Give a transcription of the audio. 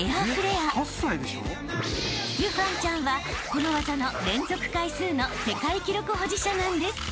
［ユファンちゃんはこの技の連続回数の世界記録保持者なんです］